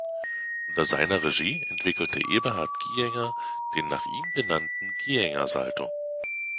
Unter seiner Regie entwickelte Eberhard Gienger den nach ihm benannten Gienger-Salto.